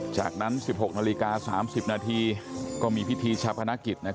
จากนั้น๑๖นาฬิกา๓๐นาทีก็มีพิธีฉับการนักศึกษ์นะครับ